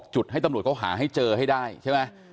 จุดให้ตำรวจเขาหาให้เจอให้ได้ใช่ไหม